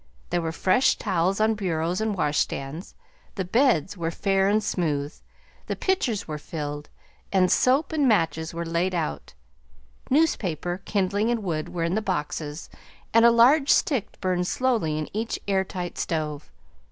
There were fresh towels on bureaus and washstands, the beds were fair and smooth, the pitchers were filled, and soap and matches were laid out; newspaper, kindling, and wood were in the boxes, and a large stick burned slowly in each air tight stove.